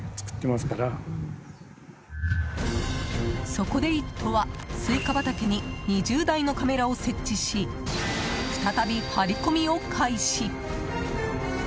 そこで「イット！」はスイカ畑に２０台のカメラを設置し再び張り込みを開始。